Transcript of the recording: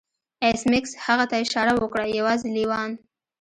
ایس میکس هغه ته اشاره وکړه یوازې لیوان